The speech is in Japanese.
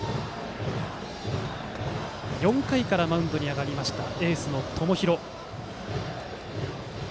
４回からマウンドに上がったエースの友廣。